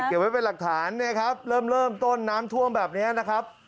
ใช่เก็บไว้เป็นหลักฐานเนี่ยครับเริ่มต้นน้ำทวมแบบเนี่ยนะครับ